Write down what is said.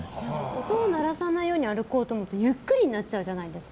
音を鳴らさないように歩こうと思うとゆっくりになっちゃうじゃないですか。